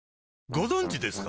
ご存知ですか？